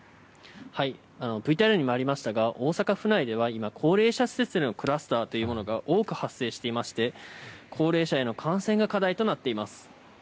ＶＴＲにもありましたが大阪府内では今高齢者施設でのクラスターが多く発生していまして高齢者への感染が課題となっています。